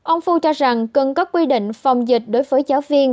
ông fu cho rằng cần có quy định phòng dịch đối với giáo viên